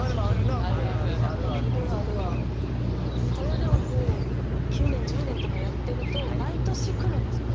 これはでももう９年１０年とかやってると毎年くるんですよ